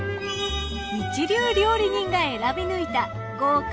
一流料理人が選び抜いた豪華！